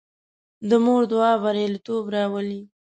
د مور دعا بریالیتوب راولي.